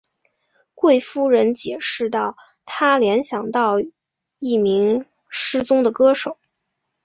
贵夫人解释道她联想到一名失踪的歌手。